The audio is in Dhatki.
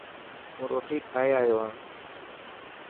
هون روٽي کائي آيو هان.